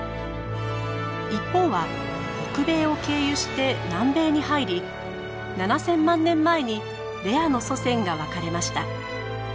一方は北米を経由して南米に入り７，０００万年前にレアの祖先が分かれました。